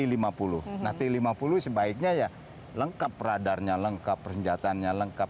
nah t lima puluh sebaiknya ya lengkap radarnya lengkap persenjataannya lengkap